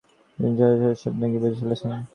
বিড়ালের সব কথা নাকি বুঝে ফেলছেন?